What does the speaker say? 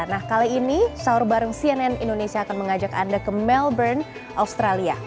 nah kali ini sahur bareng cnn indonesia akan mengajak anda ke melbourne australia